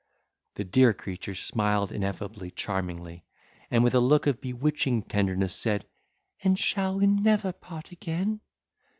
The dear creature smiled ineffably charmingly, and, with a look of bewitching tenderness, said, "and shall we never part again?"